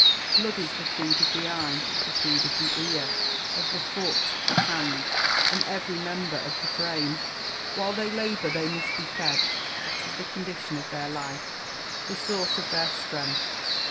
Blood is the food of the eye, the food of the ear, of the foot, the hand, and every member of the frame. While they labour they must be fed that is the condition of their life, the source of their strength.